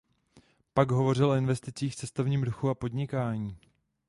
Pak hovořili o investicích, cestovním ruchu a podnikání.